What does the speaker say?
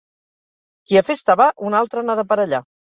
Qui a festa va, una altra n'ha d'aparellar.